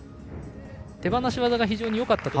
手放し技が非常によかったと。